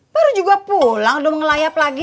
baru juga pulang udah mengelayap lagi